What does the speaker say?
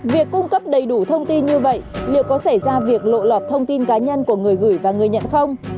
việc cung cấp đầy đủ thông tin như vậy liệu có xảy ra việc lộ lọt thông tin cá nhân của người gửi và người nhận không